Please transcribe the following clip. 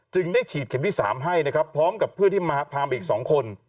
ได้ฉีดเข็มที่๓ให้นะครับพร้อมกับเพื่อนที่มาพามาอีก๒คน